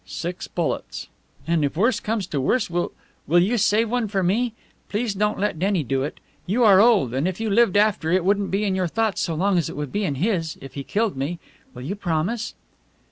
Six bullets." "And if worse comes to worse, will will you save one for me? Please don't let Denny do it! You are old, and if you lived after it wouldn't be in your thoughts so long as it would be in his if he killed me. Will you promise?"